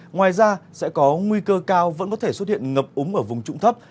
ngoài ra sẽ có nguy cơ cao vẫn có thể xuất hiện ngập úng ở vùng trụng thấp